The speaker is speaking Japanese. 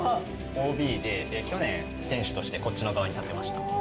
ＯＢで去年選手としてこっちの側に立ってました。